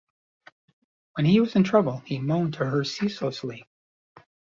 When he was in trouble he moaned to her ceaselessly.